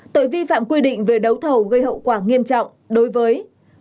tội vi phạm quy định về đấu thầu gây hậu quả nghiêm trọng đối với